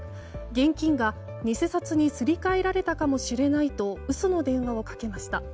現金が偽札にすり替えられたかもしれないと嘘の電話をかけました。